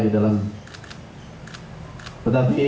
di dalam kemampuan